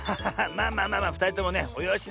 まあまあまあまあふたりともねおよしなさいって。